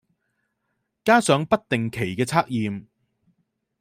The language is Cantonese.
加上不定期嘅測驗